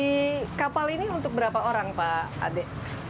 di kapal ini untuk berapa orang pak ade